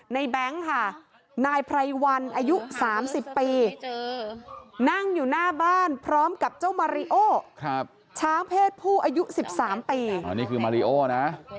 ในแบงค์ค่ะ